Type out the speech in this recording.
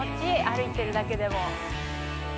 歩いてるだけでも。